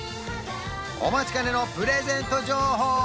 お待ちかねのプレゼント情報